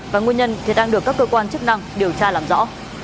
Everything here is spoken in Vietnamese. và nguyên nhân đang được các cơ quan chức năng điều tra làm rõ